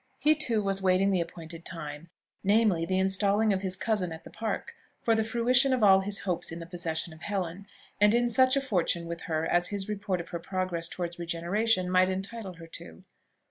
He too was waiting the appointed time, namely, the installing of his cousin at the Park, for the fruition of all his hopes in the possession of Helen, and in such a fortune with her as his report of her progress towards regeneration might entitle her to.